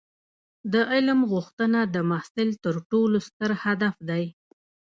د علم غوښتنه د محصل تر ټولو ستر هدف دی.